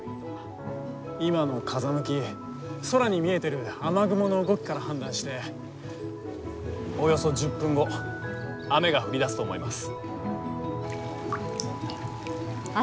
今の風向き空に見えてる雨雲の動きから判断しておよそ１０分後雨が降りだすと思います。